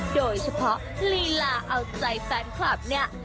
โดยเฉพาะลีลาเอาใจแฟนคลับเนี่ย